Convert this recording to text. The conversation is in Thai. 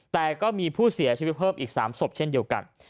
แต่ก็มีผู้เสียชีวิตเพิ่มอีก๓ศพเช่นเดียวกัน